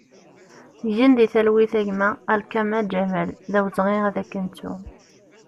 Gen di talwit a gma Alkama Ǧamal, d awezɣi ad k-nettu!